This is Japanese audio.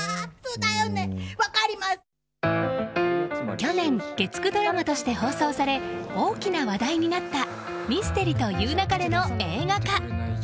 去年月９ドラマとして放送され大きな話題となった「ミステリと言う勿れ」の映画化。